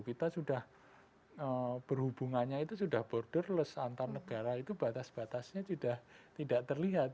kita sudah berhubungannya itu sudah borderless antar negara itu batas batasnya sudah tidak terlihat